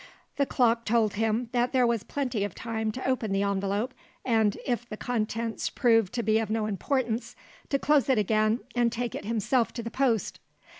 The clock told him that there was plenty of time to open the envelope, and (if the contents proved to be of no importance) to close it again, and take it himself to the post.